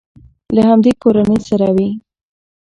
له همدې کورنۍ سره وي.